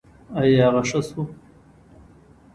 ایا هغه ښه شو؟